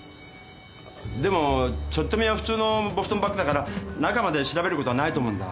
でもちょっと見は普通のボストンバッグだから中までは調べることはないと思うんだ。